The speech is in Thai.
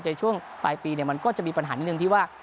ในช่วงปลายปีเนี่ยมันก็จะมีปัญหานิดนึงที่ว่า